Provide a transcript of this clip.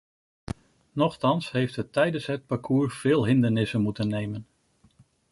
Nochtans heeft het tijdens het parcours veel hindernissen moeten nemen.